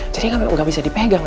jadi gak bisa dipegang